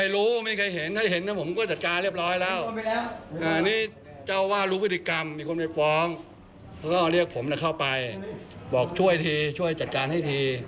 แล้วเรียกผมจะเข้าไปบอกช่วยทีช่วยจัดการให้ที